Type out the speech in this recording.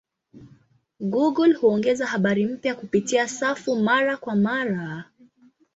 Google huongeza habari mpya kupitia safu mara kwa mara.